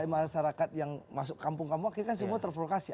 masyarakat yang masuk kampung kampung akhirnya kan semua terprovokasi